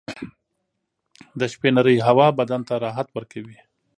• د شپې نرۍ هوا بدن ته راحت ورکوي.